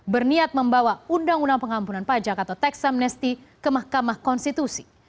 berniat membawa undang undang pengampunan pajak atau tax amnesty ke mahkamah konstitusi